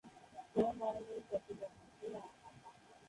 আমার মায়ের বাড়ি চট্টগ্রামে।